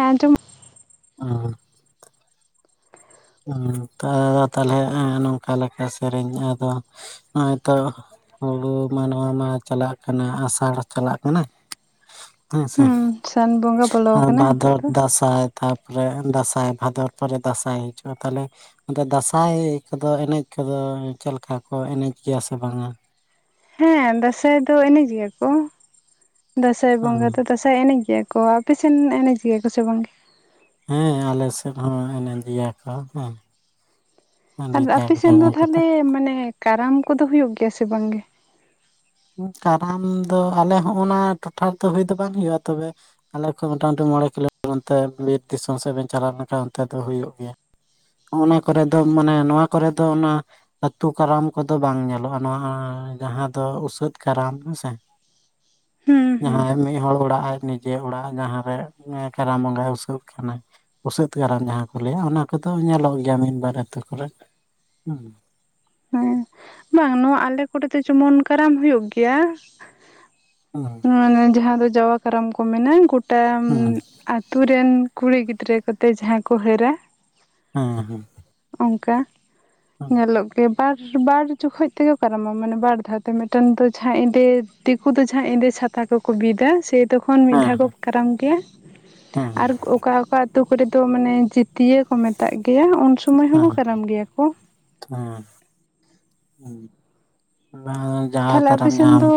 ᱟᱡᱚᱢ [inaudible] ᱦ ᱟᱫᱚ ᱛᱟᱦᱚᱞᱮ ᱱᱚᱝᱠᱟ ᱞᱮᱠᱟ ᱥᱮᱨᱮᱧ ᱟᱫᱚ ᱱᱚᱜᱼᱚᱸᱚᱭ ᱛᱳ ᱦᱩᱲᱩ ᱢᱟᱱᱣᱟ ᱢᱟ ᱪᱟᱞᱟᱜ ᱠᱟᱱᱟ ᱟᱥᱟᱲ ᱪᱟᱞᱟᱜ ᱠᱟᱱᱟ ᱾ ᱪ ᱥᱮ ᱦᱩᱸ ᱥᱟᱱ ᱵᱚᱸᱜᱟ ᱵᱚᱞᱚᱣᱟ ᱟᱠᱟᱱᱟ ᱱᱤᱛᱚᱜ ᱵᱷᱟᱫᱚᱨ ᱫᱚ ᱾ ᱫᱟᱸᱥᱟᱭ ᱛᱟᱯᱚᱨᱮ ᱫᱟᱸᱟᱭ ᱵᱷᱟᱫᱚᱨ ᱯᱚᱨᱮ ᱫᱟᱸᱟᱭ ᱦᱤᱡᱩᱜᱼᱟ ᱾ ᱛᱟᱦᱚᱞᱮ ᱫᱚ ᱫᱟᱸᱥᱟᱭ ᱠᱚᱫᱚ ᱮᱱᱮᱡ ᱠᱚᱫᱚ ᱪᱮᱫ ᱞᱮᱠᱟ ᱠᱚ ᱮᱱᱮᱡ ᱜᱮᱭᱟ ᱥᱮ ᱵᱟᱝᱟ? ᱦᱮᱸ ᱫᱟᱸᱟᱭ ᱫᱚ ᱮᱱᱮᱡ ᱜᱮᱭᱟ ᱠᱚ ᱫᱟᱸᱟᱭ ᱵᱚᱸᱜᱟ ᱫᱚ ᱫᱟᱸ ᱟ ᱮᱱᱮᱡ ᱜᱮᱭᱟ ᱠᱚ ᱟᱯᱮᱥᱮᱱ ᱮᱱᱮᱡ ᱜᱮᱭᱟ ᱠᱚ ᱥᱮ ᱵᱟᱝᱜᱮ? ᱦᱮᱸ ᱟᱞᱮ ᱥᱮᱫ ᱦᱚᱸ ᱮᱱᱮᱡ ᱫᱤᱭᱟ ᱠᱚ ᱦᱮᱸ ᱾ ᱟᱨ ᱟᱯᱮ ᱥᱮᱱ ᱫᱚ ᱛᱟᱦᱚᱸ ᱠᱟᱛᱮ ᱞᱮ ᱢᱟᱱᱮ ᱠᱟᱨᱟᱢ ᱠᱚᱫᱚ ᱦᱩᱭᱩᱜ ᱜᱮᱭᱟ ᱥᱮ ᱵᱟᱝ ᱜᱮ? ᱠᱟᱨᱟᱢ ᱫᱚ ᱟᱞᱮ ᱦᱚᱸᱜ ᱱᱟ ᱴᱚᱴᱷᱟ ᱨᱮᱫᱚ ᱦᱩᱭ ᱫᱚ ᱵᱟᱝ ᱦᱩᱭᱩᱜᱼᱟ ᱛᱚᱵᱮ ᱟᱞᱮ ᱠᱷᱚᱡ ᱢᱚᱴ ᱢᱩᱩᱴᱤ ᱢᱚᱬᱮ ᱠᱤᱞᱳᱢᱤᱴᱟᱨ ᱚᱱᱛᱮ ᱵᱤᱨ ᱫᱤᱥᱚᱢ ᱥᱮᱫ ᱵᱮᱱ ᱪᱟᱞᱟᱣ ᱞᱮᱱᱠᱷᱟᱱᱡ ᱚᱱᱛᱮ ᱫᱚ ᱦᱩᱭᱩᱜ ᱜᱮᱭᱟ ᱾ ᱚᱱᱟ ᱠᱚᱨᱮ ᱫᱚ ᱢᱟᱱᱮ ᱱᱚᱣᱟ ᱠᱚᱨᱮ ᱫᱚ ᱚᱱᱟ ᱟᱹᱛᱩ ᱠᱟᱨᱟᱢ ᱠᱚᱫᱚ ᱵᱟᱝ ᱧᱮᱞᱚᱜᱼᱟ ᱱᱚᱣᱟ ᱡᱟᱦᱟᱸ ᱫᱚ ᱩᱥ ᱥᱟᱹᱛ ᱠᱟᱨᱟᱢ ᱦᱮᱸᱥᱮ ᱦᱩᱸ ᱦᱩᱸ ᱡᱟᱦᱟᱸᱭ ᱢᱤᱫ ᱦᱚᱲᱚᱲ ᱚᱲᱟᱜ ᱟᱭ ᱱᱤᱡ ᱡᱮ ᱚᱲᱟᱜ ᱡᱟᱦᱟᱸ ᱨᱮ ᱠᱟᱨᱟᱢ ᱵᱚᱸᱜᱟᱭ ᱩᱥᱟᱹᱟᱹᱜ ᱠᱟᱱᱟᱭ ᱵᱥᱟᱹᱫ ᱠᱟᱨᱟᱢ ᱡᱟᱦᱟᱸ ᱠᱚ ᱞᱟᱹᱭᱟ ᱚᱱᱟ ᱠᱚᱫᱚ ᱧᱮᱞᱚᱜ ᱜᱮᱭᱟ ᱢᱤᱫ ᱵᱟᱨ ᱟᱹᱛᱩ ᱠᱚᱨᱮ ᱦᱮᱸ ᱾ ᱦᱮᱸ ᱵᱟᱝ ᱱᱚᱣᱟ ᱟᱞᱮ ᱠᱚᱨᱮ ᱫᱚ ᱡᱮᱢᱚᱱ ᱠᱟᱨᱟᱢ ᱦᱩᱭᱩᱜ ᱜᱮᱭᱟ ᱾ ᱦ ᱢᱟᱱᱮ ᱡᱟᱦᱟᱸ ᱫᱚ ᱡᱟᱣᱟ ᱠᱟᱨᱟᱢ ᱠᱚ ᱢᱮᱱᱟ ᱜᱚᱴᱟ ᱦᱩᱸ ᱟᱛᱳ ᱨᱮᱱ ᱠᱩᱲᱤ ᱜᱤᱫᱽᱨᱟᱹ ᱠᱚᱛᱮ ᱡᱟᱦᱟᱸ ᱠᱚ ᱦᱟᱹᱨᱟ᱾ ᱦᱮᱸᱻᱦᱮᱸᱻ᱾ ᱚᱝᱠᱟ ᱧᱮᱞᱚᱜ ᱜᱮ ᱵᱟᱨ ᱵᱟᱨ ᱪᱚᱠᱷᱚᱡ ᱛᱮᱠᱚ ᱠᱟᱨᱟᱢᱟ ᱢᱟᱱᱮ ᱵᱟᱨ ᱫᱷᱟᱣ ᱛᱮ ᱢᱤᱫᱴᱮᱱ ᱫᱚ ᱡᱟᱦᱟᱸᱭ ᱤᱸᱫᱮ ᱫᱤᱠᱩ ᱫᱚ ᱡᱟᱦᱟᱸᱭ ᱤᱸᱫᱮ ᱪᱷᱟᱛᱟ ᱠᱚ ᱠᱚ ᱵᱤᱫᱟ ᱥᱮ, ᱛᱚᱠᱷᱚᱱ ᱢᱤᱫ ᱫᱷᱟᱣ ᱠᱚ ᱦᱮᱸ ᱠᱟᱨᱟᱢ ᱜᱮᱭᱟ ᱦᱮᱸ ᱟᱨ ᱚᱠᱟ ᱚᱠᱟ ᱟᱛᱳ ᱠᱚᱨᱮ ᱫᱚ ᱢᱟᱱᱮ ᱡᱟᱹᱛᱤᱭᱟᱹ ᱠᱚ ᱢᱮᱛᱟᱜ ᱜᱮᱭᱟ ᱩᱱ ᱥᱩᱢᱟᱹᱭ ᱦᱚᱸᱠᱚ ᱠᱟᱨᱟᱢ ᱜᱮᱭᱟ ᱠᱚ ᱦᱩᱸ--᱾ ᱦᱮᱸᱻ᱾ ᱵᱟᱝ ᱡᱟᱦᱟᱸ ᱛᱟᱦᱞᱮ ᱟᱯᱮ ᱠᱟᱨᱟᱢ ᱥᱮᱱ ᱡᱟᱦᱟᱸᱟᱢ ᱫᱚ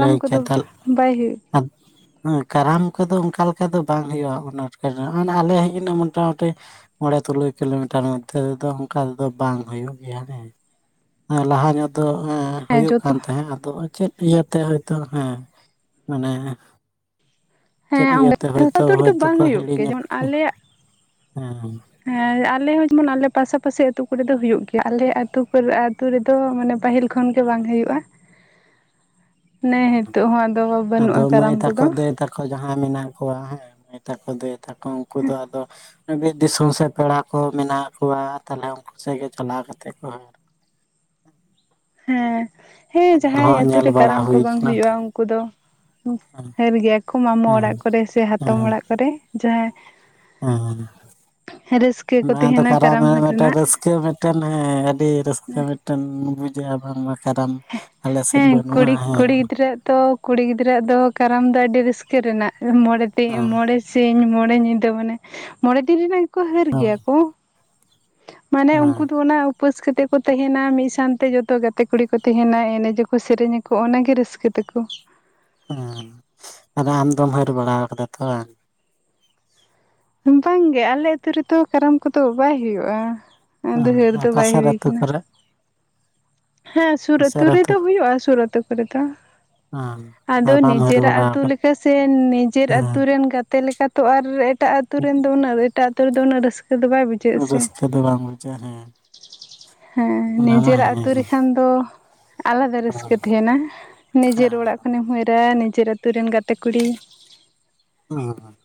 ᱞᱟᱹᱭ ᱠᱚᱫᱚ ᱠᱮᱫᱟ ᱵᱟᱭ ᱦᱩᱭᱩᱜ ᱦᱮ ᱠᱟᱨᱟᱢ ᱠᱚᱫᱚ ᱚᱱᱠᱟ ᱞᱮᱠᱟ ᱫᱚ ᱵᱟᱝ ᱦᱩᱭᱩᱜᱼᱟ, ᱩᱱᱟᱹᱟᱴᱠᱟ ᱫᱚ ᱟᱞᱮ ᱦᱮᱡ ᱮᱱᱟ ᱢᱚᱴᱟᱢᱩᱴᱤ ᱢᱚᱬᱮ ᱛᱩᱨᱩᱭ ᱠᱤᱞᱳᱢᱤᱴᱟᱨ ᱢᱚᱫᱽᱫᱷᱮ ᱨᱮᱫᱚ ᱚᱱᱠᱟ ᱛᱮᱫᱚ ᱵᱟᱝ ᱦᱩᱭᱩᱜ ᱜᱮᱭᱟ ᱦᱮᱸ ᱞᱟᱦᱟ ᱧᱚᱜ ᱫᱚ ᱦᱮᱸ ᱦᱩᱭᱩᱜ ᱠᱟᱱ ᱡᱚᱛᱚ ᱛᱟᱦᱮᱸᱜ ᱟᱫᱚ ᱪᱮᱫ ᱤᱭᱟᱹᱛᱮ ᱦᱚᱭᱛᱳ ᱦᱮᱸ ᱢᱟᱱᱮ ᱪᱮᱫ ᱦᱮᱸ ᱤᱭᱟᱹᱛᱮ ᱡᱚᱛᱚ ᱦᱳᱭᱛᱚ ᱟᱹᱛᱩ ᱨᱮᱫᱚ ᱦᱚᱭᱛᱳ ᱠᱚ ᱵᱟᱝ ᱦᱩᱭᱩᱜ ᱜᱮᱭᱟ ᱦᱤᱲᱤᱧᱟ ᱡᱮᱢᱚᱱ ᱟᱞᱮᱭᱟᱜ ᱦᱮᱸ ᱦᱮᱸ ᱟᱞᱮ ᱦᱚᱸ ᱡᱮᱢᱚᱱ ᱟᱞᱮ ᱯᱟᱥᱟ ᱯᱟᱥᱤ ᱟᱹᱛᱩ ᱠᱚᱨᱮ ᱫᱚ ᱦᱩᱭᱩᱜ ᱜᱮᱭᱟ ᱟᱞᱮ ᱟ ᱟᱹᱛᱩ ᱠᱚᱨᱮ ᱟᱹᱛᱩ ᱨᱮᱫᱚ ᱢᱟᱱᱮ ᱯᱟᱹᱦᱤᱞ ᱠᱷᱚᱱ ᱜᱮ ᱵᱟᱝ ᱦᱩᱭᱩᱜᱼᱟ᱾ ᱢᱟᱱᱮ ᱦᱮᱸᱛᱳᱜ ᱦᱚᱸ ᱟᱫᱚ ᱵᱟᱹᱱᱩᱜᱼᱟ ᱠᱟᱨᱟᱢ ᱠᱚᱫᱚ ᱠᱚ ᱡᱟᱦᱟᱸᱭ ᱢᱮᱱᱟᱜ ᱠᱚᱣᱟ ᱦᱮᱸ ᱢᱟᱹᱭ ᱛᱟᱠᱚ ᱫᱟᱹᱭ ᱛᱟᱠᱚ ᱩᱱᱠᱩ ᱫᱚ ᱟᱫᱚ ᱵᱤᱨ ᱫᱤᱥᱚᱢ ᱥᱮᱜ ᱯᱮᱲᱟ ᱠᱚ ᱢᱮᱱᱟᱜ ᱠᱚᱣᱟ, ᱛᱟᱦᱚᱞᱮ ᱩᱱᱠᱩ ᱥᱮᱜ ᱜᱮ ᱪᱟᱞᱟᱣ ᱠᱟᱛᱮᱜ ᱠᱚ ᱦ ᱦᱮᱸ ᱦᱮᱸ ᱧᱮᱞ ᱡᱟᱦᱟᱸᱭ ᱦᱚᱸ ᱟᱛᱳ ᱧᱮᱞ ᱨᱮ ᱵᱟᱲᱟ ᱠᱟᱨᱟᱢ ᱠᱚ ᱦᱩᱭ ᱵᱟᱝ ᱠᱟᱱᱟ ᱛᱚ ᱦᱩᱭᱩᱜᱼᱟ ᱩᱱᱠᱩ ᱫᱚ ᱦᱮᱨ ᱜᱮᱭᱟ ᱠᱚ ᱢᱟᱢᱳ ᱦᱮᱸ ᱚᱲᱟᱜ ᱠᱚᱨᱮ ᱥᱮ, ᱦᱟᱛᱚᱢ ᱚᱲᱟᱜ ᱠᱚᱨᱮ ᱡᱟᱸᱦᱟᱸᱟᱭ ᱦᱸ ᱠᱚ ᱚᱱᱟ ᱫᱚ ᱛᱟᱦᱮᱱᱟ ᱠᱟᱨᱟᱢ ᱨᱮᱱᱟᱜ ᱦᱟᱹᱨ ᱢᱤᱫᱴᱟᱝ ᱨᱟᱥᱠᱟᱹ ᱨᱟᱹᱥᱠᱟᱹᱟᱹᱰᱤ ᱨᱟᱹᱥᱠᱟᱹ ᱢᱤᱫ ᱵᱩᱡ ᱠᱟᱫᱟᱢ ᱢᱟ ᱠᱟᱨᱟᱢ ᱟᱞᱮ ᱥᱮᱫ ᱦᱮᱸ ᱵᱟᱹᱱᱩᱜᱼᱟ ᱠᱩᱲᱤ ᱦᱮᱸ ᱠᱩᱲᱤ ᱜᱤᱫᱽᱨᱟᱹᱣᱟᱜ ᱫᱚ ᱠᱩᱲᱤ ᱜᱤᱫᱽᱨᱟᱹᱣᱟᱜ ᱫᱚ ᱠᱟᱨᱟᱢ ᱫᱚ ᱟᱹᱰᱤ ᱨᱟᱹᱥᱠᱟᱹ ᱨᱮᱱᱟᱜ ᱢᱚᱬᱮ ᱛᱮ ᱦᱮᱸ ᱢᱚᱬᱮ ᱥᱤᱧ ᱢᱚᱬᱮ ᱧᱤᱫᱟᱹ ᱢᱟᱱᱮ ᱢᱚᱬᱮ ᱫᱤᱱ ᱨᱮᱱᱟᱜ ᱜᱮ ᱠᱚ ᱦᱟᱹᱨ ᱜᱮᱭᱟ ᱠᱚ᱾ ᱢᱟᱱᱮ ᱦᱮᱸ ᱩᱱᱠᱩ ᱫᱚ ᱚᱱᱟ ᱩᱯᱟᱹᱥ ᱠᱟᱛᱮ ᱠᱚ ᱛᱟᱦᱮᱱᱟ ᱢᱤᱫ ᱥᱟᱶᱛᱮ ᱡᱚᱛᱚ ᱜᱟᱛᱮ ᱠᱩᱲᱤ ᱠᱚ ᱛᱟᱦᱮᱸᱱᱟ ᱮᱱᱮᱡ ᱟᱠᱠᱚ ᱥᱮᱨᱮᱧ ᱟᱠᱚ ᱚᱱᱟᱜ ᱜᱮ ᱨᱟᱹᱥᱠᱟᱹ ᱛᱮᱠᱚ ᱟᱫᱚ ᱟᱢᱫᱚᱢ ᱦᱟᱹᱨ ᱵᱟᱲᱟ ᱠᱟᱫᱟ ᱛᱚ ᱵᱟᱝ? ᱵᱟᱝᱜᱮ ᱟᱞᱮ ᱟᱹᱛᱩ ᱨᱮᱫᱚ ᱠᱟᱨᱟᱢ ᱠᱚᱫᱚ ᱵᱟᱭ ᱦᱩᱭᱩᱜᱼᱟ, ᱟᱫᱚ ᱦᱟᱹᱨ ᱦᱮᱸ ᱫᱚ ᱵᱟᱭ ᱯᱟᱥᱮᱨ ᱦᱩᱭ ᱟᱹᱛᱩ ᱠᱟᱱᱟ ᱾ ᱠᱚᱨᱮ ᱦᱮᱸ ᱥᱩᱨ ᱟᱹᱛᱩ ᱨᱮᱫᱚ ᱦᱩᱭᱩᱜᱼᱟ ᱥᱩᱨ ᱟᱹᱛᱩ ᱠᱚᱨᱮ ᱫᱚ ᱾ ᱦᱩᱸ, ᱟᱫᱚ ᱱᱤᱡᱮᱨᱟᱜ ᱟᱹᱛᱩ ᱞᱮᱠᱟ ᱥᱮ ᱱᱤᱡᱮᱨ ᱟᱹᱛᱩ ᱦᱮᱸ ᱨᱮᱱ ᱜᱟᱛᱮ ᱞᱮᱠᱟ ᱛᱚ ᱟᱨ ᱮᱴᱟᱜ ᱟᱛᱩᱨᱱ ᱫᱚ ᱩᱱᱟᱜ ᱮᱴᱟᱜ ᱟᱛᱩ ᱨᱮᱫᱚ ᱩᱱᱟᱹᱜ ᱨᱟᱹᱥᱟᱹ ᱫᱚ ᱵᱟᱭ ᱵᱩᱡᱟ ᱾ ᱪᱮᱫᱟᱜ ᱥᱮ ᱨᱟᱹᱥᱠᱟᱹ ᱫᱚ ᱵᱟᱝ ᱵᱩᱡᱷᱟᱹᱜᱼᱟ ᱦᱮᱸ ᱦᱮᱸ ᱚᱱᱟ ᱢᱟ ᱱᱤᱡᱮᱨᱟᱜ ᱦᱮᱸ ᱦᱮᱸ ᱟᱹᱛᱩ ᱨᱮᱠᱷᱟᱱ ᱫᱚ ᱟᱞᱟᱫᱟ ᱨᱟᱹᱥᱠᱟᱹ ᱛᱮᱦᱮᱸᱱᱟ ᱱᱤᱡᱮᱨ ᱚᱲᱟᱜ ᱠᱷᱚᱱᱮᱢ ᱦᱟᱹᱨᱟ ᱱᱤᱡᱮᱨ ᱟᱹᱛᱩ ᱨᱮᱱ ᱜᱟᱛᱮ ᱠᱩᱲᱤ [unintelligible]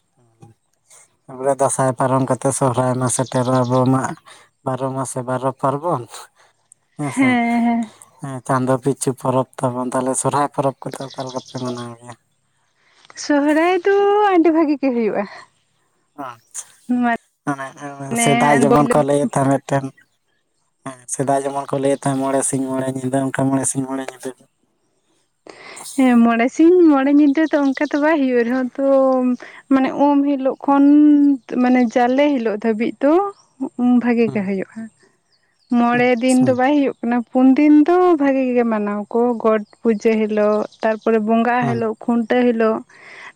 ᱛᱟᱯᱚᱨᱮ ᱫᱟᱸᱥᱟᱭ ᱯᱟᱨᱚᱢ ᱠᱟᱛᱮᱜ ᱥᱚᱦᱚᱨᱟᱭ ᱢᱟ ᱥᱮᱴᱮᱨᱚᱜᱼᱟ ᱾ ᱟᱵᱚ ᱢᱟ ᱵᱟᱨᱚ ᱢᱟᱥᱮ ᱵᱟᱨᱚ ᱯᱟᱨᱵᱚᱱ ᱦᱮᱸᱥᱮ ᱦᱮᱸ ᱦᱮᱸ ᱦᱮᱸ ᱪᱟᱸᱫᱚ ᱯᱤᱪᱷᱩ ᱯᱚᱨᱚᱵᱽ ᱛᱟᱵᱚᱱ ᱾ ᱛᱟᱦᱚᱞᱮ ᱥᱚᱨᱦᱟᱭ ᱯᱚᱨᱚᱵᱽ ᱠᱚᱫᱚ ᱚᱠᱟ ᱞᱮᱠᱟ ᱯᱮ ᱢᱟᱱᱟᱣ ᱜᱮᱭᱟ? ᱥᱚᱦᱚᱨᱟᱭ ᱫᱚ ᱟᱹᱰᱤ ᱵᱷᱟᱹᱜᱤ ᱜᱮ ᱦᱩᱭᱩᱜᱼᱟ ᱾ ᱟᱪᱪᱷᱟ ᱦᱟᱱᱮ ᱥᱮᱫᱟᱭ ᱢᱟᱱᱮ ᱡᱮᱢᱚᱱ ᱠᱚ ᱞᱟᱹᱭᱮᱫ ᱛᱟᱦᱮᱸ ᱢᱤᱫᱴᱮᱱ ᱦᱮᱸ ᱥᱮᱫᱟᱭ ᱡᱮᱢᱚᱱ ᱠᱚ ᱞᱟᱹᱭᱮᱜ ᱛᱟᱦᱮᱸ ᱢᱚᱬᱮ ᱥᱤᱧ ᱢᱚᱬᱮ ᱧᱤᱫᱟᱹ ᱚᱱᱠᱟ ᱢᱚᱬᱮ ᱥᱤᱧ ᱢᱚᱬᱮ ᱧᱤᱫᱟᱹ ᱦᱮᱸ ᱢᱚᱬᱮ ᱥᱤᱧ ᱢᱚᱲᱮ ᱧᱤᱫᱟᱹ ᱛᱚ ᱚᱱᱠᱟ ᱛᱚ ᱵᱟᱭ ᱦᱩᱭᱩᱜ ᱨᱮᱦᱚᱸ ᱛᱚ ᱢᱟᱱᱮ ᱩᱢ ᱦᱤᱞᱳᱜ ᱠᱷᱚᱱ ᱢᱟᱱᱮ ᱡᱟᱞᱮ ᱦᱤᱞᱳᱜ ᱫᱷᱟᱹᱵᱤᱡ ᱫᱚ ᱵᱷᱟᱹᱜᱤ ᱜᱮ ᱦᱩᱭᱩᱜᱼᱟ, ᱢᱚᱬᱮ ᱫᱤᱱ ᱫᱚ ᱵᱟᱭ ᱦᱩᱭᱩᱜ ᱚᱱᱟ ᱯᱩᱱ ᱫᱤᱱ ᱫᱚ ᱵᱷᱟᱹᱜᱤ ᱜᱮ ᱢᱟᱱᱟᱣ ᱟᱠᱚ ᱜᱚᱴ ᱯᱩᱡᱟᱹ ᱦᱤᱞᱳᱜ ᱛᱟᱨᱯᱚᱨᱮ ᱵᱚᱸᱜᱟᱜ ᱦᱤᱞᱳᱜ ᱾ ᱠᱷᱩᱱᱴᱟᱹᱣ ᱦᱤᱞᱳᱜ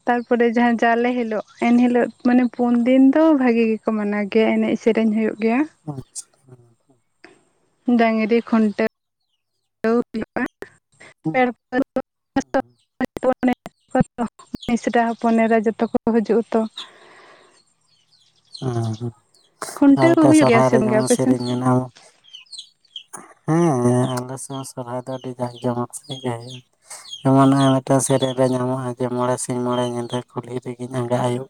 ᱛᱟᱨᱯᱚᱨᱮ ᱡᱟᱦᱟᱸ ᱡᱟᱞᱮ ᱦᱤᱞᱳᱜ ᱮᱱᱦᱤᱞᱳᱜ ᱢᱟᱱᱮ ᱯᱩᱱ ᱫᱤᱱ ᱫᱚ ᱵᱷᱟᱹᱜᱤ ᱜᱮ ᱾ ᱠᱚ ᱢᱟᱱᱟᱣ ᱜᱮᱭᱟ ᱮᱱᱮᱡ ᱥᱮᱨᱮᱧ ᱦᱩᱭᱩᱜ ᱜᱮᱭᱟ ᱾ ᱟᱸᱪᱪᱷᱟ ᱰᱟᱝᱨᱤ ᱠᱷᱩᱱᱴᱟᱹᱣ ᱦᱩᱭᱩᱜᱼᱟ ᱛᱟᱨ [unintelligible] [unintelligible] ᱢᱤᱥᱨᱟ ᱦᱚᱯᱚᱱᱮᱨᱟ ᱡᱷᱚᱛᱚ ᱠᱚ ᱦᱤᱡᱩᱜ ᱟᱛᱚ ᱚ ᱦᱩ ᱠᱷᱩᱱᱴᱟᱹᱣ ᱠᱚ ᱱᱮᱣᱛᱟ ᱦᱩᱭᱩᱜ ᱜᱮᱭᱟ ᱥᱚᱦᱚᱨᱟᱭ ᱥᱮ ᱨᱮ ᱵᱟᱝ ᱜᱮ ᱡᱮᱢᱚᱱ ᱟᱯᱮ ᱥᱮᱱ? ᱥᱮᱨᱮᱧ ᱢᱮᱱᱟᱜᱼᱟ ᱦᱮᱸ ᱟᱞᱮ ᱥᱮᱫ ᱥᱚᱨᱦᱟᱭ ᱫᱚ ᱟᱹᱰᱤ ᱡᱟᱸᱠ ᱡᱚᱢᱚᱠ ᱥᱟᱹᱦᱤᱡ ᱜᱮ ᱦᱩᱭᱩᱜᱼᱟ ᱾ ᱡᱮᱚᱱ ᱢᱤᱫᱴᱟᱝ ᱥᱮᱨᱮᱧ ᱨᱮ ᱧᱟᱢᱚᱜᱼᱟ ᱡᱮ ᱢᱚᱬᱮ ᱥᱤᱧ ᱢᱚᱬᱮ ᱧᱤᱫᱟᱹ ᱠᱩᱞᱦᱤ ᱨᱮᱜᱤᱧ ᱟᱸᱜᱟ ᱟᱹᱭᱩᱵ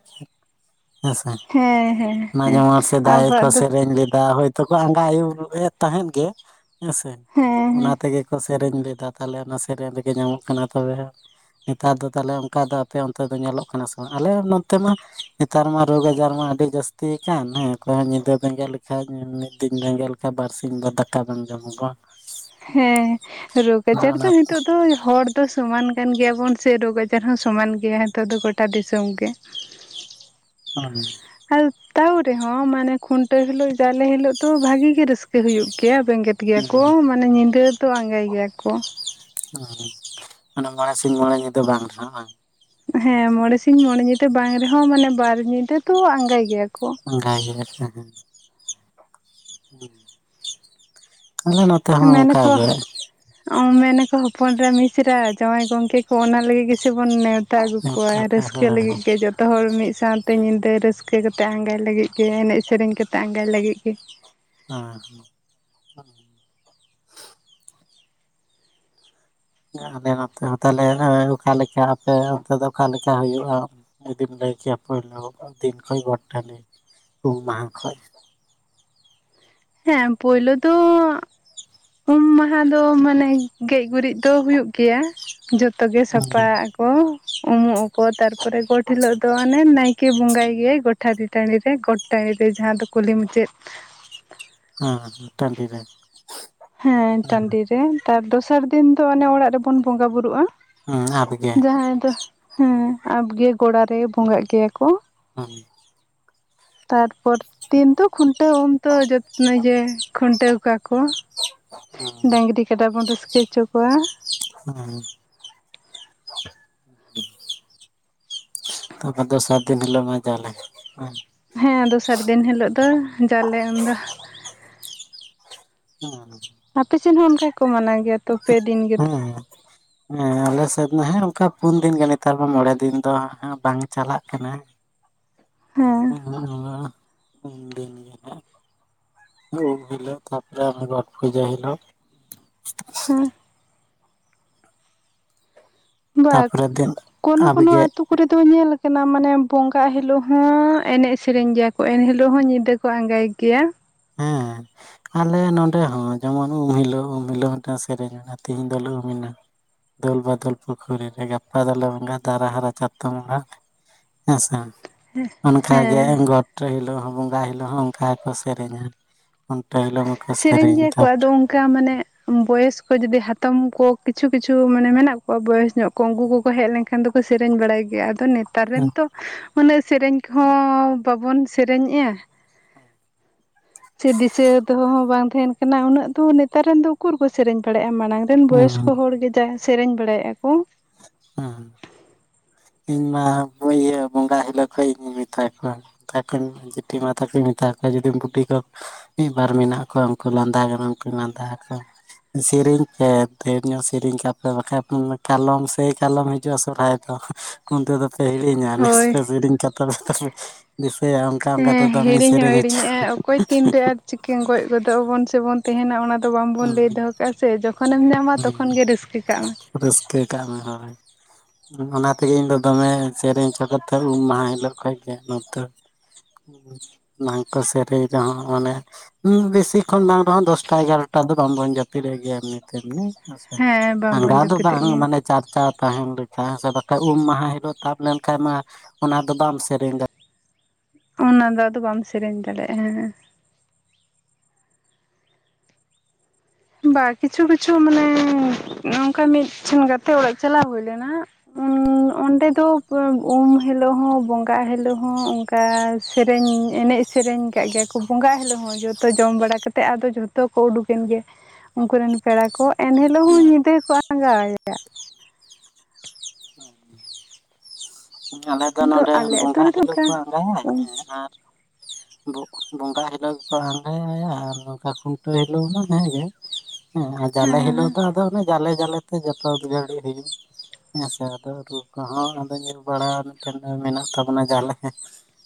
ᱦᱮᱸᱥᱮ ᱦᱮᱸ ᱦᱮᱸ ᱦᱮᱸ ᱚᱱᱮ ᱫᱚ ᱢᱟ ᱥᱮᱫᱟᱭ ᱨᱮᱠᱚ ᱟᱵᱚᱣᱟᱜ ᱫᱚ ᱥᱮᱨᱮᱧ ᱞᱮᱫᱟ ᱦᱳᱭ ᱛᱚᱠᱷᱚᱡ ᱚᱱᱠᱟ ᱟᱹᱭᱩᱨ ᱞᱮ ᱛᱟᱦᱮᱸᱫ ᱜᱮ ᱦᱮᱸᱥᱮ ᱚᱱᱟ ᱦᱮᱸ ᱛᱮᱜᱮ ᱠᱚ ᱥᱮᱨᱮᱧ ᱞᱮᱫᱟ ᱛᱟᱞᱦᱮ ᱚᱱᱟ ᱥᱮᱨᱮᱧ ᱨᱮᱜᱮ ᱧᱟᱢᱚᱜ ᱠᱟᱱᱟ ᱛᱚᱵᱮ ᱱᱮᱛᱟᱨ ᱫᱚ ᱛᱟᱞᱦᱮ ᱚᱱᱠᱟ ᱫᱚ ᱟᱯᱮ ᱚᱱᱛᱮ ᱫᱚ ᱧᱮᱞᱚᱜ ᱠᱟᱱᱟ ᱥᱮ ᱵᱟᱝ? ᱟᱞᱮ ᱱᱚᱛᱮ ᱢᱟ ᱱᱮᱛᱟᱨ ᱢᱟ ᱨᱳᱜᱽ ᱟᱡᱟᱨ ᱢᱟ ᱟᱹᱰᱤ ᱡᱟᱹᱥᱛᱤ ᱠᱟᱱ ᱦᱮᱸ ᱚᱠᱚᱭ ᱧᱤᱫᱟᱹ ᱵᱮᱸᱜᱮᱫ ᱞᱮᱠᱷᱟᱡ ᱢᱤᱫ ᱫᱤᱱ ᱵᱮᱸᱜᱮᱫ ᱞᱮᱠᱷᱟᱡ ᱵᱟᱨ ᱥᱤᱧ ᱫᱚ ᱫᱟᱠᱟ ᱵᱟᱝ ᱡᱚᱢᱚᱜᱚᱜᱼᱟ ᱾ ᱦᱮᱸ ᱨᱳᱜᱽ ᱟᱡᱟᱨ ᱟᱫᱚ ᱫᱚ ᱚᱱᱟ ᱦᱤᱛᱳᱜ ᱫᱚ ᱦᱚᱲ ᱡᱚᱛᱚ ᱥᱚᱢᱟᱱ ᱠᱟᱱ ᱜᱮᱭᱟᱵᱚᱱ ᱥᱮ ᱨᱳᱜᱽ ᱟᱡᱟᱨ ᱦᱚᱸ ᱥᱚᱢᱟᱱ ᱜᱮᱭᱟ ᱱᱮᱛᱟᱨ ᱫᱚ ᱜᱚᱴᱟ ᱫᱤᱥᱚᱢ ᱜᱮ ᱾ [inaudible] ᱟᱝ ᱟᱨ ᱛᱟᱣ ᱨᱮᱦᱚᱸ ᱢᱟᱱᱮ ᱠᱷᱩᱱᱴᱟᱹᱣ ᱦᱤᱞᱳᱜ, ᱡᱟᱞᱮ ᱦᱤᱞᱳᱜ ᱫᱚ ᱵᱷᱟᱹᱜᱤ ᱜᱮ ᱨᱟᱹᱥᱠᱟᱹ ᱦᱩᱭᱩᱜ ᱜᱮᱭᱟ ᱵᱮᱸᱜᱮᱫ ᱜᱮᱭᱟ ᱠᱚ ᱢᱟᱱᱮ ᱧᱤᱫᱟᱹ ᱫᱚ ᱟᱸᱜᱟᱭ ᱜᱮᱭᱟ ᱠᱚ ᱾ ᱚ ᱢᱟᱱᱮ ᱢᱚᱬᱮ ᱥᱤᱧ ᱢᱚᱬᱮ ᱧᱤᱫᱟᱹ ᱵᱟᱝ ᱦᱮ ᱵᱟᱝ ᱦᱮᱸ ᱢᱚᱬᱮ ᱥᱤᱧ ᱢᱚᱬᱮ ᱧᱤᱫᱟᱹ ᱵᱟᱝ ᱨᱮᱦᱚᱸ ᱢᱟᱱᱮ ᱵᱟᱨ ᱧᱤᱫᱟᱹ ᱫᱚ ᱟᱸᱜᱟᱭ ᱜᱮᱭᱟ ᱠᱚ ᱾ ᱟᱸᱜᱟᱭ ᱜᱮᱭᱟ ᱠᱚ ᱟᱞᱮ ᱱᱚᱛᱮ ᱦᱚᱸ ᱢᱮᱱᱟᱠᱚ ᱚᱱᱠᱟᱜᱮ ᱢᱮᱱᱟᱠᱚ ᱦᱚᱯᱚᱱᱨᱟ ᱢᱤᱥᱨᱟ ᱡᱟᱶᱟᱭ ᱜᱚᱝᱠᱮ ᱠᱚ ᱚᱱᱟ ᱞᱟᱹᱜᱤᱫ ᱜᱮ ᱛᱮᱵᱚᱱ ᱱᱮᱶᱛᱟ ᱟᱹᱜᱩ ᱠᱚᱣᱟ ᱨᱟᱹᱥᱠᱟᱹ ᱞᱟᱹᱜᱤᱫ ᱜᱮ ᱡᱚᱛ ᱡᱚᱛᱚ ᱦᱚᱲ ᱢᱤᱫ ᱥᱟᱶᱛᱮ ᱧᱤᱫᱟᱹ ᱨᱟᱹᱥᱠᱟᱹ ᱠᱟᱛᱮ ᱟᱸᱜᱟᱭ ᱞᱟᱹᱜᱤᱫ ᱜᱮ ᱮᱱᱮᱡ ᱥᱮᱨᱮᱧ ᱠᱟᱛᱮᱜ ᱟᱸᱜᱟᱭ ᱞᱟᱹᱜᱤᱫ ᱜᱮ ᱾ ᱚ ᱦᱮ ᱟᱞᱮ ᱱᱚᱛᱮ ᱦᱚᱸ ᱛᱟᱞᱮ ᱚᱠᱟᱞᱮᱠᱟ ᱟᱯᱮ ᱚᱱᱛᱮ ᱫᱚ ᱚᱠᱟᱞᱮᱠᱟ ᱦᱩᱭᱩᱜᱼᱟ? ᱡᱩᱫᱤᱢ ᱞᱟᱹᱭ ᱠᱮᱭᱟ ᱯᱳᱭᱞᱳ ᱫᱤᱱ ᱠᱷᱚᱡ ᱜᱚᱴ ᱴᱷᱟᱞᱮ ᱩᱢ ᱢᱟᱦᱟ ᱠᱷᱚᱡ ᱾ ᱦᱮᱸ ᱯᱳᱭᱞᱳ ᱫᱚ ᱩᱢ ᱢᱟᱦᱟ ᱫᱚ ᱢᱟᱱᱮ ᱜᱮᱡ ᱜᱩᱨᱤᱡ ᱫᱚ ᱦᱩᱭᱩᱜ ᱜᱮᱭᱟ ᱡᱚᱛᱚ ᱜᱮ ᱥᱟᱯᱟ ᱦᱮᱸ ᱠᱚ ᱩᱢᱩᱜ ᱟᱠᱚ ᱛᱟᱨᱯᱚᱨᱮ ᱜᱚᱴ ᱦᱤᱞᱚᱜ ᱫᱚ ᱟᱱᱮ ᱱᱟᱭᱠᱮ ᱵᱚᱸᱜᱟᱭ ᱜᱮᱭᱟᱭ ᱜᱚᱴᱟᱨᱤ ᱴᱟᱺᱰᱤ ᱨᱮ ᱜᱚᱴ ᱴᱟᱺᱰᱤ ᱨᱮ ᱡᱟᱦᱟᱸ ᱫᱚ ᱠᱩᱞᱤ ᱢᱩᱪᱟᱹᱫ ᱦᱩᱸ ᱴᱟᱺᱰᱤ ᱨᱮ ᱦᱮᱸ ᱴᱟᱸᱰᱤ ᱨᱮ ᱛᱟᱨ ᱫᱚᱥᱟᱨ ᱫᱤᱱ ᱫᱚ ᱚᱱᱮ ᱚᱲᱟᱜ ᱨᱮᱵᱚᱱ ᱵᱚᱸᱜᱟ ᱵᱩᱨᱩᱜ-ᱟ ᱟᱯᱜᱮ ᱡᱟᱦᱟᱸᱭ ᱫᱚ ᱦᱮᱸ ᱟᱵᱜᱮ ᱜᱚᱲᱟ ᱨᱮ ᱵᱚᱸᱜᱟᱜ ᱜᱮᱭᱟ ᱠᱚ ᱚ ᱛᱟᱨᱯᱚᱨ ᱫᱤᱱ ᱛᱚ ᱠᱷᱩᱱᱴᱟᱹᱣ ᱩᱱ ᱛᱚ ᱡᱚᱛᱚ ᱠᱷᱩᱱᱴᱟᱹᱣ ᱠᱚᱣᱟ ᱠᱚ ᱾ ᱰᱟᱝᱨᱤ ᱠᱟᱰᱟ ᱵᱚᱱ ᱨᱟᱹᱥᱠᱟᱹ ᱦᱚᱪᱚ ᱠᱚᱣᱟ ᱦᱩᱸ ᱛᱟᱯᱚᱨ ᱫᱚᱥᱟᱨ ᱫᱤᱱ ᱦᱤᱞᱳᱜ ᱢᱟ ᱡᱟᱞᱮ ᱦᱮᱸ ᱫᱚᱥᱟᱨ ᱫᱤᱱ ᱦᱤᱞᱳᱜ ᱫᱚ ᱡᱟᱞᱮ ᱩᱱ ᱫᱚ ᱦᱩᱸ ᱟᱯᱮᱥᱮᱫ ᱦᱚᱸ ᱚᱱᱠᱟ ᱜᱮᱠᱚ ᱢᱟᱱᱟ ᱜᱮᱭᱟ ᱛᱚ ᱯᱮ ᱫᱤᱱ ᱦᱮᱸ ᱜᱮᱛᱚ ᱦᱮᱸ ᱦᱮᱸ ᱟᱞᱮᱥᱮᱫ ᱢᱟ ᱦᱮᱸ ᱚᱱᱠᱟ ᱯᱩᱱ ᱫᱤᱱ ᱜᱮ ᱱᱮᱛᱟᱨ ᱢᱟ ᱢᱚᱬᱮ ᱫᱤᱱ ᱫᱚ ᱵᱟᱝ ᱪᱟᱞᱟᱜ ᱠᱟᱱᱟ ᱦᱮᱸ ᱱᱚᱜ ᱱᱚᱣᱟ ᱩᱱ ᱫᱤᱱ ᱜᱮ ᱦᱟᱸᱜ ᱩᱢ ᱦᱤᱞᱳ ᱛᱟᱯᱚᱨᱮ ᱟᱱᱮ ᱜᱚᱴ ᱯᱩᱡᱟ ᱦᱤᱞᱳ᱾ ᱦᱩᱸ ᱵᱟ ᱛᱟᱯᱚᱨᱮ ᱫᱤᱱ ᱠᱳᱱᱳ ᱠᱚᱱᱳ ᱟᱵᱜᱮ ᱟᱹᱛᱩ ᱠᱚᱨᱮ ᱫᱚ ᱧᱮᱞ ᱟᱠᱟᱱᱟ ᱢᱟᱱᱮ ᱵᱚᱸᱜᱟ ᱦᱤᱞᱳᱜ ᱦᱚᱸ ᱮᱱᱮᱡ ᱥᱮᱨᱮᱧ ᱜᱮᱭᱟ ᱠᱚ ᱮᱱ ᱦᱤᱞᱳ ᱦᱚᱸ ᱧᱤᱫᱟᱹ ᱠᱚ ᱟᱸᱜᱟᱭ ᱜᱮᱭᱟ᱾ ᱦᱮᱸ ᱟᱞᱮ ᱱᱚᱸᱰᱮ ᱦᱚᱸ ᱡᱮᱢᱚᱱ ᱩᱢ ᱦᱤᱞᱳᱜ ᱩᱢ ᱦᱤᱞᱳᱜ ᱢᱤᱫᱴᱟᱜ ᱥᱮᱨᱮᱧ ᱮᱱᱟ ᱛᱮᱦᱤᱧ ᱫᱚᱞᱮ ᱩᱢ ᱮᱱᱟ᱾ ᱫᱳᱞ ᱵᱟᱫᱳᱞ ᱯᱩᱠᱷᱩᱨᱤ ᱨᱮ ᱜᱟᱯᱟ ᱫᱚᱞᱮ ᱵᱚᱸᱜᱟ ᱫᱟᱨᱟ ᱦᱟᱨᱟ ᱪᱟᱛᱚᱢ ᱵᱚᱸᱜᱟ ᱦᱮᱸᱥᱮ? ᱚᱱᱠᱟᱜᱮ ᱦᱮᱸ ᱜᱚᱴ ᱦᱤᱞᱳᱜ ᱦᱚᱸ ᱵᱚᱸᱜᱟ ᱦᱤᱞᱳᱜ ᱦᱚᱸ ᱚᱱᱠᱟ ᱜᱮᱠᱚ ᱥᱮᱨᱮᱧᱼᱟ᱾ ᱠᱷᱚᱱᱴᱟ ᱦᱤᱞᱳᱜ ᱢᱟᱠᱚ ᱥᱮᱨᱮᱧ ᱜᱮᱭᱟ ᱠᱚ ᱛᱟᱯᱚᱨᱮ ᱟᱫᱚᱢ ᱚᱱᱠᱟ ᱢᱟᱱᱮ ᱵᱚᱭᱚᱥ ᱠᱚ ᱡᱩᱫᱤ ᱦᱟᱛᱚᱢ ᱠᱚ ᱠᱤᱪᱷᱩ ᱠᱤᱪᱷᱩ ᱢᱟᱱᱮ ᱢᱮᱱᱟᱜ ᱠᱚᱣᱟ ᱵᱚᱭᱮᱥ ᱧᱚᱜ ᱠᱚ᱾ ᱩᱱᱠᱩ ᱠᱚᱠᱚ ᱦᱮᱡ ᱞᱮᱱᱠᱷᱟᱱ ᱫᱚᱠᱚ ᱥᱮᱨᱮᱧ ᱵᱟᱲᱟᱭ ᱜᱮᱭᱟ ᱟᱫᱚ ᱱᱮ ᱱᱮᱛᱟᱨ ᱨᱮᱱ ᱛᱚ ᱩᱱᱟᱹᱜ ᱥᱮᱨᱮᱧ ᱠᱚᱦᱚᱸ ᱵᱟᱵᱚᱱ ᱥᱮᱨᱮᱧᱮᱜᱼᱟ᱾ ᱥᱮ ᱫᱤᱥᱟᱹ ᱛᱮ ᱦᱚᱸ ᱵᱟᱝ ᱛᱟᱦᱮᱱ ᱠᱟᱱᱟ ᱩᱱᱟᱹᱜ ᱫᱚ ᱱᱮᱛᱟᱨ ᱨᱮᱱ ᱫᱚ ᱩᱠᱩᱨ ᱠᱚ ᱥᱮᱨᱮᱧ ᱵᱟᱲᱟᱭᱮᱼᱟ ᱢᱟᱲᱟᱝ ᱚ ᱨᱮᱱ ᱦᱮᱸ ᱵᱚᱭᱚᱥᱠᱚ ᱦᱚᱲ ᱜᱮ ᱡᱟᱦᱟᱸ ᱥᱮᱨᱮᱧ ᱵᱟᱲᱟᱭᱮᱼᱟ ᱠᱚ᱾ ᱦᱩᱸ ᱤᱧ ᱢᱟ ᱤᱭᱟᱹ ᱵᱚᱸᱜᱟ ᱦᱤᱞᱳᱜ ᱠᱷᱚᱡ ᱤᱧ ᱢᱮᱛᱟ ᱠᱚᱣᱟ᱾ ᱢᱮᱛᱟ ᱠᱩᱣᱟᱧ ᱡᱤᱴᱷᱤ ᱢᱟ ᱛᱟᱠᱚᱧ ᱢᱮᱛᱟ ᱠᱚᱣᱟ ᱡᱩᱫᱤᱢ ᱵᱩᱰᱤ ᱜᱚ ᱢᱤᱫᱵᱟᱨ ᱢᱮᱱᱟᱜ ᱠᱚᱣᱟ ᱩᱱᱠᱩ ᱞᱟᱸᱫᱟ ᱜᱟᱱᱚᱜ ᱩᱱᱠᱩ ᱞᱟᱸᱫᱟ ᱟᱠᱚᱣᱟ᱾ ᱥᱮᱨᱮᱤᱧ ᱯᱮ ᱫᱷᱟᱹᱨ ᱧᱚᱜ ᱥᱮᱨᱮᱧ ᱠᱟᱜ ᱯᱮ ᱵᱟᱠᱷᱟᱡ ᱠᱟᱞᱚᱢ ᱥᱮᱭ ᱠᱟᱞᱚᱢ ᱦᱤᱡᱩᱜᱼᱟ ᱥᱚᱦᱚᱨᱟᱭ ᱫᱚ᱾ ᱩᱱ ᱛᱮᱫᱚ ᱯᱮ ᱦᱤᱲᱤᱧᱟ ᱦᱳᱭ ᱱᱮᱥᱯᱮ ᱥᱮᱨᱮᱧ ᱠᱟ ᱠᱟᱛᱟ ᱯᱮ [unintelligible] ᱫᱤᱥᱟᱹᱭᱟ ᱚᱱᱠᱟ ᱚᱱᱠᱟᱛᱮ ᱦᱮᱸ ᱫᱚᱢᱮ ᱥᱮᱨᱮᱧ ᱦᱚᱪᱚ ᱪᱤᱠᱟᱹᱭᱟᱢ ᱜᱚᱡ ᱜᱚᱫᱚᱜ ᱟᱵᱚᱱ ᱥᱮᱵᱚᱱ ᱛᱟᱦᱮᱱᱟ ᱚᱱᱟ ᱛᱚ ᱵᱟᱝᱵᱚᱱ ᱞᱟᱹᱭ ᱦᱩᱸ ᱫᱚᱦᱚ ᱠᱟᱜᱼᱟ ᱥᱮ ᱡᱚᱠᱷᱚᱱᱮᱢ ᱧᱟᱢᱟ ᱛᱚᱠᱷᱚᱱ ᱜᱮ ᱨᱟᱹᱥᱠᱟᱹ ᱠᱟᱜ ᱢᱮ᱾ ᱨᱟᱹᱥᱠᱟᱹ ᱠᱟᱸᱜ ᱢᱮ ᱦᱳᱭ᱾ ᱚᱱᱟ ᱛᱮᱜᱮ ᱤᱧ ᱫᱚ ᱫᱚᱢᱮ ᱥᱮᱨᱮᱧ ᱚᱪᱚ ᱠᱟᱛᱮ ᱩᱢ ᱢᱟᱦᱟ ᱦᱤᱞᱳᱜ ᱠᱷᱚᱡ ᱜᱮ [unintelligible] [inaudible] ᱵᱟᱝ ᱠᱚ ᱥᱮᱨᱮᱧ ᱨᱮᱦᱚᱸ ᱢᱟᱱᱮ ᱵᱮᱥᱤ ᱠᱷᱚᱱ ᱵᱟᱝ ᱨᱮᱦᱚᱸ ᱫᱚᱥᱴᱟ ᱮᱜᱟᱨᱚᱴᱟ᱾ ᱱᱮᱛᱟᱨ ᱫᱚ ᱵᱟᱝᱵᱚᱱ ᱡᱟᱹᱯᱤᱫ ᱮᱫ ᱜᱮᱭᱟ ᱮᱢᱱᱤ ᱛᱮᱢᱱᱤ ᱦᱮᱸ ᱥᱮ ᱦᱮᱸ ᱟᱸᱜᱟ ᱵᱟᱝᱵᱚᱱ ᱫᱚ ᱡᱟᱹᱯᱤᱫᱮᱜ ᱵᱟᱝ ᱜᱮᱭᱟ ᱢᱟᱱᱮ ᱪᱟᱨᱪᱟᱣ ᱛᱟᱦᱮᱱ ᱞᱮᱠᱟ ᱦᱮᱸ ᱥᱮ ᱵᱟᱠᱷᱟᱱ ᱩᱢ ᱢᱟᱦᱟ ᱦᱤᱞᱳᱜ ᱛᱟᱵ ᱞᱮᱱᱠᱷᱟᱱ ᱢᱟ ᱚᱱᱟ ᱫᱚ ᱵᱟᱢ ᱥᱮᱨᱮᱧ ᱫᱟᱲᱮᱭᱟᱜᱼᱟ᱾ ᱚᱱᱟ ᱫᱚ ᱟᱫᱚ ᱵᱟᱢ ᱥᱮᱨᱮᱧ ᱫᱟᱲᱮᱜᱼᱟ ᱦᱮᱸ ᱦᱮᱸ᱾ ᱵᱟ ᱠᱤᱪᱷᱩ ᱠᱤᱪᱷᱩ ᱢᱟᱱᱮ ᱱᱚᱝᱠᱟ ᱢᱤᱫ ᱴᱷᱮᱱ ᱜᱟᱛᱮ ᱚᱲᱟᱜ ᱪᱟᱞᱟᱣ ᱦᱩᱭ ᱞᱮᱱᱟ᱾ ᱩᱻ ᱚᱸᱰᱮ ᱫᱚ ᱩᱢ ᱦᱤᱞᱟᱹᱜ ᱦᱚᱸ ᱵᱚᱸᱜᱟᱜ ᱦᱤᱞᱟᱹᱜ ᱦᱚᱸ ᱚᱱᱠᱟ ᱠᱟ ᱥᱮᱨᱮᱧ ᱮᱱᱮᱡ ᱥᱮᱨᱮᱧ ᱟᱠᱟᱜ ᱜᱮᱭᱟ ᱠᱚ ᱵᱚᱸᱜᱟ ᱦᱤᱞᱳᱜ ᱦᱚᱸ ᱡᱚᱛᱚ ᱡᱚᱢ ᱵᱟᱲᱟ ᱠᱟᱛᱮ ᱟᱫᱚ ᱡᱚᱛᱚ ᱛᱚ ᱠᱚ ᱩᱰᱩᱠᱮᱱ ᱜᱮ ᱩᱱᱠᱩ ᱨᱮᱱ ᱯᱮᱲᱟ ᱠᱚ ᱮᱱᱦᱤᱞᱚᱜ ᱦᱚᱸ ᱫᱟᱲᱮᱭᱟᱜᱼᱟ ᱧᱤᱫᱟᱹ ᱠᱚ ᱟᱸᱜᱟᱭᱟ [inaudible] ᱟᱞᱮ ᱫᱚ ᱟᱫᱚ ᱱᱚᱸᱰᱮ ᱟᱞᱮ ᱟᱹᱛᱩ ᱵᱚᱸᱜᱟ ᱨᱮᱫᱚ ᱦᱤᱞᱳᱜ ᱚᱱᱠᱟ ᱠᱚ ᱟᱸᱜᱟᱭᱟ ᱩᱢ ᱦᱮᱸ ᱟᱨ ᱵᱚ ᱵᱚᱸᱜᱟ ᱦᱤᱞᱳᱜ ᱜᱮ ᱠᱚ ᱟᱸᱜᱟᱭᱟ ᱟᱨ ᱱᱚᱝᱠᱟ ᱠᱷᱩᱱᱴᱟᱹᱣ ᱦᱤᱞᱳᱜ ᱢᱟ ᱦᱮᱸᱜᱮ ᱦᱮᱸ ᱡᱟᱞᱮ ᱦᱤᱞᱳᱜ ᱫᱚ ᱟᱫᱚ ᱚᱱᱮ ᱡᱟᱞᱮ ᱡᱟᱞᱮ ᱛᱮ ᱡᱚᱛᱚ ᱜᱷᱟᱹᱲᱤᱡ ᱦᱩᱭᱩᱜ ᱦᱮᱸ ᱥᱮ ᱟᱫᱚ ᱨᱩ ᱠᱚᱦᱚᱸ ᱟᱫᱚ ᱧᱮᱞ ᱯᱟᱲᱦᱟᱣ ᱢᱤᱫᱴᱮᱱ ᱢᱮᱱᱟᱜ ᱛᱟᱵᱚᱱᱟ ᱡᱟᱦᱟ ᱞᱮᱠᱟ᱾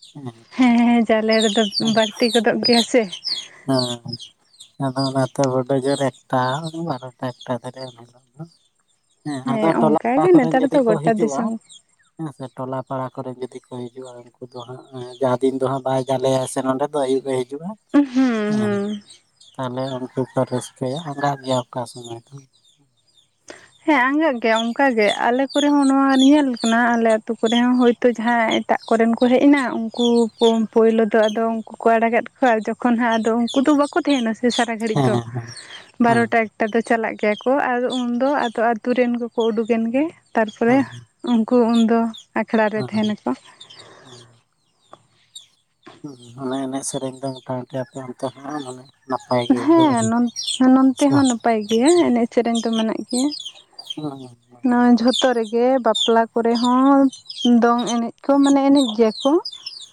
ᱦᱮᱸ ᱦᱮᱸ ᱦᱮᱸ ᱡᱟᱞᱮ ᱨᱮᱫᱚ ᱵᱟᱹᱲᱛᱤ ᱜᱚᱫᱚᱜ ᱜᱮᱭᱟ ᱥᱮ ᱦᱮᱸ ᱟᱫᱚ ᱚᱱᱟᱛᱮ ᱵᱚᱰᱚ ᱡᱳᱨ ᱮᱠᱴᱟ ᱵᱟᱨᱚᱴᱟ ᱮᱠᱴᱟ ᱫᱟᱷᱟᱨᱤ ᱩᱱ ᱦᱤᱞᱳᱜ ᱫᱚ᱾ ᱦᱮᱸ ᱟᱫᱚ ᱴᱚᱞᱟ ᱚᱱᱠᱟᱜᱮ ᱯᱟᱲᱟ ᱠᱚ ᱨᱮᱱ ᱱᱮᱛᱟᱨ ᱡᱩᱫᱤ ᱫᱚ ᱠᱚ ᱜᱚᱴᱟ ᱦᱤᱡᱩᱜᱼᱟ ᱫᱤᱥᱚᱢ ᱦᱮᱸ ᱥᱮ ᱴᱚᱞᱟ ᱯᱟᱲᱟ ᱠᱚᱨᱮ ᱡᱩᱫᱤ ᱠᱚ ᱦᱤᱡᱩᱜᱼᱟ ᱩᱱᱠᱩ ᱫᱚ ᱦᱟᱸᱜ ᱡᱟᱦᱟᱸ ᱫᱤᱱ ᱫᱚ ᱦᱟᱸᱜ ᱵᱟᱭ ᱡᱟᱞᱮᱭᱟ ᱥᱮ ᱱᱚᱰᱮ ᱫᱚ ᱟᱭᱩᱵ ᱮ ᱦᱤᱡᱩᱜᱼᱟ ᱦᱩᱸ ᱦᱩᱸ ᱛᱟᱦᱞᱮ ᱩᱱᱠᱩ ᱠᱚ ᱨᱟᱹᱥᱠᱟᱹᱭᱟ ᱟᱸᱜᱟᱽ ᱜᱮᱭᱟ ᱚᱠᱟ ᱥᱩᱢᱚᱭ ᱫᱚ ᱦᱮᱸ ᱟᱸᱜᱟᱜ ᱜᱮᱭᱟ ᱚᱱᱠᱟ ᱜᱮ ᱟᱞᱮ ᱠᱚᱨᱮ ᱦᱚᱸ ᱱᱚᱣᱟ ᱧᱮᱞ ᱠᱟᱱᱟ ᱟᱞᱮ ᱟᱹᱛᱩ ᱠᱚ ᱨᱮ ᱦᱚᱸ ᱦᱳᱭᱛᱳ ᱡᱟᱦᱟᱸ ᱮᱴᱟᱜ ᱠᱚ ᱨᱮᱱ ᱠᱚ ᱦᱮᱡ ᱮᱱᱟ ᱩᱱᱠᱩ ᱠᱳ ᱯᱳᱭᱞᱳ ᱫᱚ ᱟᱫᱚ ᱩᱱᱠᱩ ᱠᱚ ᱟᱲᱟᱜᱟᱫ ᱠᱚᱣᱟ ᱡᱚᱠᱷᱚᱱ ᱦᱟᱸᱜ ᱟᱫᱚ ᱩᱱᱠᱩ ᱫᱚ ᱵᱟᱠ ᱠᱚ ᱛᱟᱦᱮᱱᱟ ᱥᱮ ᱥᱟᱨᱟ ᱜᱷᱟᱹᱲᱤᱡ ᱫᱚ ᱦᱮᱸ ᱵᱟᱨᱚᱴᱟ ᱮᱴᱟ ᱫᱚ ᱪᱟᱞᱟᱜ ᱜᱮᱭᱟ ᱠᱚ ᱟᱨ ᱩᱱᱫᱚ ᱟᱫᱚ ᱟᱛᱳ ᱨᱮᱱ ᱠᱚᱠᱚ ᱩᱰᱩᱠ ᱮᱱ ᱜᱮ ᱦᱮᱸ ᱦᱮᱸ ᱛᱟᱨᱯᱚᱨᱮ ᱩᱱᱠᱩ ᱩᱱᱫᱚ ᱟᱠᱷᱲᱟ ᱨᱮ ᱦᱮᱸ ᱛᱟᱦᱮᱱᱟᱠᱚ ᱦᱮᱸ ᱢᱟᱱᱮ ᱮᱱᱮᱡ ᱥᱮᱨᱮᱧ ᱫᱚ ᱢᱚᱴᱟᱢᱩᱴᱤ ᱟᱯᱮ ᱚᱱᱛᱮ ᱠᱷᱚᱱᱟᱜ ᱦᱚᱸ ᱢᱟᱱᱮ ᱱᱟᱯᱟᱭ ᱜᱮ ᱦᱮᱸ ᱱᱚᱱ ᱱᱚᱱᱛᱮ ᱦᱚᱸ ᱱᱟᱯᱟᱭ ᱜᱮᱭᱟ ᱮᱱᱮᱡ ᱥᱮᱨᱮᱧ ᱫᱚ ᱢᱮᱱᱟᱜ ᱜᱮᱭᱟ ᱱᱚᱣᱟ ᱡᱚᱛ ᱛᱚ ᱨᱮᱜᱮ ᱵᱟᱯᱞᱟ ᱠᱚᱨᱮ ᱦᱚᱸ ᱫᱚᱝ ᱮᱱᱮᱡ ᱠᱚ ᱢᱟᱱᱮ ᱮᱱᱮᱡ ᱜᱮᱭᱟ ᱠᱚ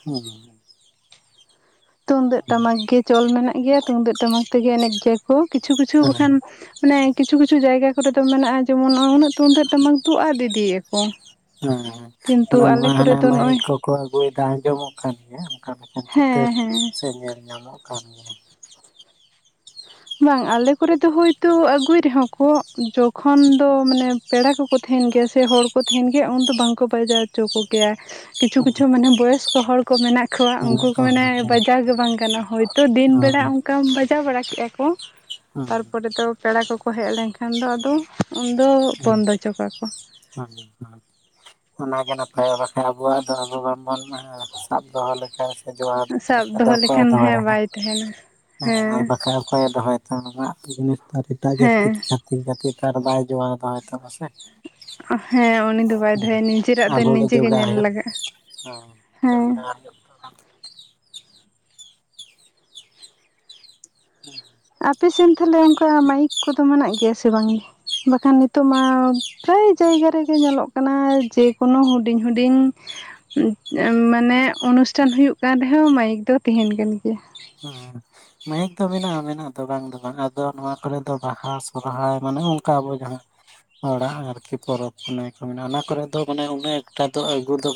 [unintelligible] ᱛᱩᱢᱫᱟᱹᱜ ᱴᱟᱢᱟᱠ ᱜᱮ ᱪᱚᱞ ᱢᱮᱱᱟᱜ ᱜᱮᱭᱟ ᱛᱩᱢᱫᱟᱹᱜ ᱴᱟᱢᱟᱠ ᱛᱮᱜᱮ ᱮᱱᱮᱡ ᱜᱮᱭᱟ ᱠᱚ ᱠᱤᱪᱷᱩ ᱠᱤᱪᱷᱩ ᱦᱮᱸ ᱵᱟᱠᱷᱟᱱ ᱢᱟᱱᱮ ᱠᱤᱪᱷᱩ ᱠᱤᱪᱷᱩ ᱡᱟᱭᱜᱟ ᱠᱚᱨᱮ ᱫᱚ ᱢᱮᱱᱟᱜᱼᱟ ᱡᱮᱢᱚᱱ ᱩᱱᱟᱹᱜ ᱛᱩᱢᱫᱟᱹᱜ ᱴᱟᱢᱟᱠ [unintelligible] ᱠᱚ ᱠᱤᱱᱛᱩ ᱟᱞᱮ ᱠᱚᱨᱮ ᱫᱚ ᱱᱚᱜᱼᱚᱭ ᱠᱚ ᱟᱹᱜᱩᱭ ᱮᱫᱟ ᱟᱸᱡᱚᱢᱚᱜ ᱠᱟᱱ ᱜᱮᱭᱟ᱾ ᱚᱱᱠᱟ ᱞᱮᱠᱟᱱ ᱪᱤᱛᱟᱹᱨ ᱦᱮᱸ ᱦᱮᱸ ᱥᱮ ᱧᱮᱞ ᱧᱟᱢᱚᱜ ᱠᱟᱱ ᱜᱮᱭᱟ᱾ ᱵᱟᱝ ᱟᱞᱮ ᱠᱚᱨᱮ ᱫᱚ ᱦᱳᱭᱛᱳ ᱟᱹᱜᱩᱭ ᱨᱮᱦᱚᱸ ᱠᱚ ᱡᱚᱠᱷᱚᱱ ᱫᱚ ᱢᱟᱱᱮ ᱯᱮᱲᱟ ᱠᱚᱠᱚ ᱛᱟᱦᱮᱱ ᱜᱮᱭᱟ ᱥᱮ ᱦᱚᱲ ᱠᱚ ᱛᱟᱦᱮᱱ ᱜᱮᱭᱟ ᱩᱱ ᱫᱚ ᱵᱟᱝ ᱠᱚ ᱵᱟᱡᱟᱣ ᱦᱚᱪᱚ ᱠᱚᱜᱮᱭᱟ ᱠᱤᱪᱷᱩ ᱠᱤᱪᱷᱩ ᱢᱟᱱᱮ ᱵᱚᱭᱚᱥᱠᱚ ᱦᱚᱲ ᱠᱚ ᱢᱮᱱᱟᱜ ᱠᱚᱣᱟ ᱩᱱᱠᱩ ᱠᱚ ᱢᱮᱱᱟ ᱵᱟᱡᱟᱣ ᱜᱮ ᱵᱟᱝ ᱜᱟᱱᱟᱜ-ᱟ ᱦᱚᱭᱛᱳ ᱫᱤᱱ ᱵᱮᱲᱟ ᱚᱱᱠᱟᱢ ᱵᱟᱡᱟᱣ ᱵᱟᱲᱟ ᱠᱮᱫᱼᱟ ᱠᱚ ᱛᱟᱨᱯᱚᱨᱮ ᱫᱚ ᱯᱮᱲᱟ ᱠᱚᱠᱚ ᱦᱮᱡ ᱞᱮᱱᱠᱷᱟᱱ ᱫᱚ ᱟᱫᱚ ᱩᱱᱫᱚ ᱦᱮᱸ ᱵᱚᱱᱫᱚ ᱦᱚᱪᱚ ᱠᱟᱜᱼᱟ ᱠᱚ ᱦᱮᱸ ᱚᱱᱟ ᱜᱮ ᱱᱟᱯᱟᱭᱚᱜ-ᱟ ᱵᱟᱠᱷᱟᱡ ᱟᱵᱚᱣᱟᱜ ᱫᱚ ᱟᱵᱚ ᱵᱟᱝ ᱵᱚᱱ ᱥᱟᱵ ᱫᱚᱦᱚᱸ ᱞᱮᱠᱟᱡ [unintelligible] ᱥᱟᱵ ᱫᱚ ᱫᱚᱦᱚ ᱚᱠᱚᱭᱮ ᱞᱮᱠᱷᱟᱱ ᱦᱮᱸ ᱫᱚᱦᱚᱭᱟ ᱵᱟᱭ ᱛᱟᱦᱮᱱᱟ ᱦᱮᱸ ᱟᱨ ᱵᱟᱠᱷᱟᱡ ᱚᱠᱚᱭᱮ ᱫᱚᱦᱚᱭ ᱱᱮᱛᱟᱨᱟᱜ ᱡᱤᱱᱤᱥ ᱮᱴᱟᱜ ᱦᱮᱸ ᱡᱟᱹᱛᱤ ᱪᱷᱟᱛᱤᱠ ᱡᱟᱹᱛᱤ ᱛᱚ ᱟᱨ ᱵᱟᱭ ᱡᱳᱣᱟᱣ ᱫᱚᱦᱚᱭ ᱛᱟᱢᱟ ᱥᱮ ᱦᱮᱸ ᱩᱱᱤ ᱫᱚ ᱵᱟᱭ ᱫᱚ ᱦᱚᱭᱟ ᱱᱤᱡᱮᱨᱟᱜ ᱫᱚ ᱟᱵᱚᱜᱮ ᱱᱤᱡᱮ ᱜᱮ ᱡᱚᱜᱟᱣ ᱧᱮᱞ ᱦᱩᱭᱩᱜ ᱞᱟᱜᱟᱜᱼᱟ ᱦᱮᱸ ᱦᱮᱸ [unintelligible] [inaudible] ᱟᱯᱮ ᱥᱮᱫ ᱛᱟᱦᱚᱞᱮ ᱚᱱᱠᱟ ᱢᱟᱭᱤᱠ ᱠᱚᱫᱚ ᱢᱮᱱᱟᱜ ᱜᱮᱭᱟ ᱥᱮ ᱵᱟᱝ ᱵᱟᱠᱷᱟᱱ ᱱᱤᱛᱚᱜ ᱢᱟ ᱯᱨᱟᱭ ᱡᱟᱭᱜᱟ ᱨᱮᱜᱮ ᱧᱮᱞᱚᱜ ᱠᱟᱱᱟ ᱡᱮᱠᱳᱱᱳ ᱦᱩᱰᱤᱧ ᱦᱩᱰᱤᱧ ᱢᱟᱱᱮ ᱚᱱᱩᱥᱴᱷᱟᱱ ᱦᱩᱭᱩᱜ ᱠᱟᱱ ᱨᱮᱦᱚᱸ ᱢᱟᱭᱤᱠ ᱫᱚ ᱛᱟᱦᱮᱟᱸᱱ ᱠᱟᱱ ᱜᱮᱭᱟ᱾ ᱦᱮᱸ ᱢᱟᱭᱤᱠ ᱫᱚ ᱢᱮᱱᱟᱜᱼᱟ ᱢᱮᱱᱟᱜ ᱫᱚ ᱵᱟᱝ ᱫᱚ ᱵᱟᱝ ᱟᱫᱚ ᱱᱚᱣᱟ ᱠᱚᱨᱮ ᱫᱚ ᱵᱟᱦᱟ ᱥᱚᱦᱨᱟᱭ ᱢᱟᱱᱮ ᱚᱱᱠᱟ ᱟᱵᱚ ᱡᱟᱦᱟᱸ ᱦᱚᱲᱟᱜ ᱟᱨᱠᱤ ᱯᱚᱨᱚᱵᱽ ᱯᱩᱱᱟᱹᱭ ᱠᱚ ᱢᱮᱱᱟᱜᱼᱟ ᱚᱱᱟ ᱠᱚᱨᱮ ᱫᱚ ᱢᱟᱱᱮ ᱩᱱᱟᱹᱜ ᱮᱠᱴᱟ ᱫᱚ ᱟᱹᱜᱩ ᱫᱚ